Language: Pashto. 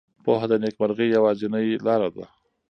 پوهه د نېکمرغۍ یوازینۍ لاره ده.